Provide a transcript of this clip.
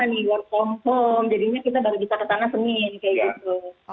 jadinya kita baru bisa ke tanah semin kayak gitu